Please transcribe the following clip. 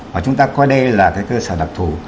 và chúng ta coi đây là cái cơ sở đặc thù